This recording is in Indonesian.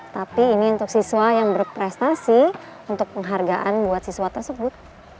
tapi ini untuk siswa yang berprestasi untuk penghargaan buat siswa tersebut